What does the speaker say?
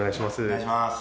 お願いします。